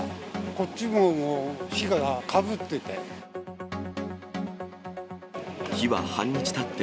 こっちももう火がかぶってて。